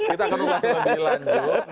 kita akan membahasnya lebih lanjut